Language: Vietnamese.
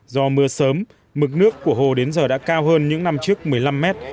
do mưa sớm mực nước của hồ đến giờ đã cao hơn những năm trước một mươi năm mét